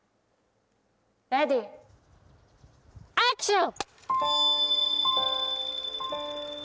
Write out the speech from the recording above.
レディーアクション！